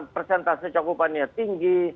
persentase cukupannya tinggi